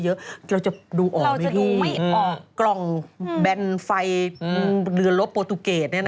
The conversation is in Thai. เราจะดูออกไหมที่กล่องแบนไฟเรือนรถโปตุเกตนี่นะ